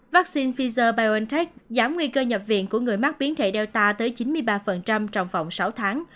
vắc xin pfizer biontech giảm nguy cơ nhập viện của người mắc biến thể delta tới chín mươi ba trong vòng sáu tháng